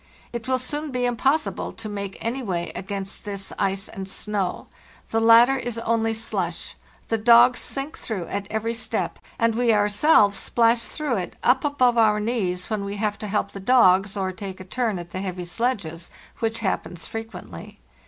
It will soon be im possible to make any way against this ice and snow. The latter is only slush; the dogs sink through at every step, and we ourselves splash through it up above our knees when we have to help the dogs or take a turn at the heavy sledges, which happens frequently.